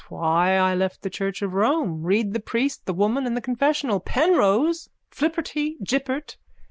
Why I left the church of Rome. Read the Priest, the Woman and the Confessional. Penrose. Flipperty Jippert.